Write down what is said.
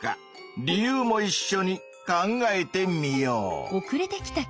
理由もいっしょに考えてみよう。